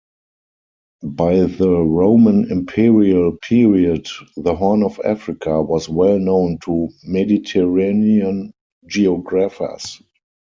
By the Roman imperial period the Horn of Africa was well-known to Mediterranean geographers.